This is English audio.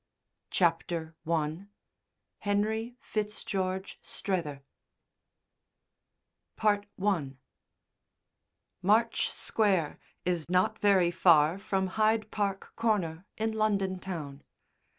CHAPTER I HENRY FITZGEORGE STRETHER I March Square is not very far from Hyde Park Corner in London Town.